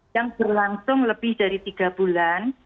yang berlangsung lebih dari tiga bulan